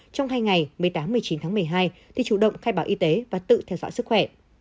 trong hai ngày một mươi tám một mươi chín tháng một mươi hai thì chủ động khai báo y tế và tự theo dõi sức khỏe